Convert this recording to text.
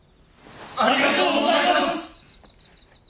ありがとうございます！